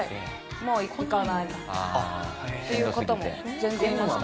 「もう行かない」みたいな。っていう方も全然いました。